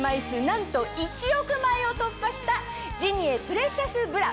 なんと１億枚を突破したジニエプレシャスブラ。